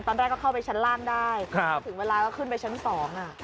ตอนแรกก็เข้าไปชั้นล่างได้ครับถึงเวลาก็ขึ้นไปชั้นสองอ่ะ